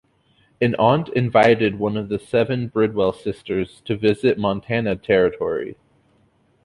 An aunt invited one of the seven Bridwell sisters to visit Montana Territory.